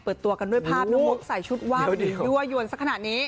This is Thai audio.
เปิดตัวกันด้วยภาพมุกใส่ชุดว่างดัวหย่วนสักขนาดนี้